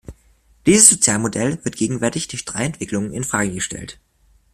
Dieses Sozialmodell wird gegenwärtig durch drei Entwicklungen in Frage gestellt.